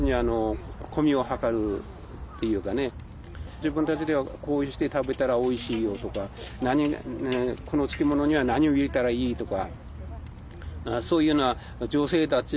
自分たちではこうして食べたらおいしいよとかこの漬物には何を入れたらいいとか。